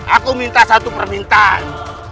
aku minta satu permintaan